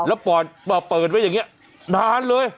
แล้วป่อนเปิดไว้อย่างเนี่ยนานเลย